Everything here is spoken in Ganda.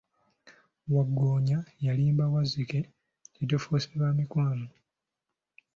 Waggoonya yalimba Wazzike nti, tufuuse ba mukwano.